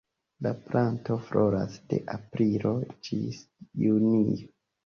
La planto floras de aprilo ĝis junio.